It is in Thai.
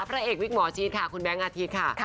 พระเอกวิกหมอชีวิตค่ะคุณแม็งก์อาทีชค่ะ